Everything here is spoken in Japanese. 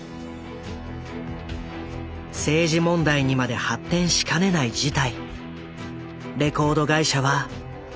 政治問題にまで発展しかねない事態。